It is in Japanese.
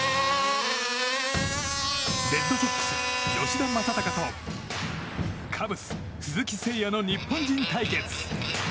レッドソックス、吉田正尚とカブス、鈴木誠也の日本人対決。